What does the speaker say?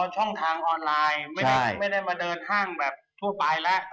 ช่องทางออนไลน์ไม่ได้มาเดินห้างแบบทั่วไปแล้ว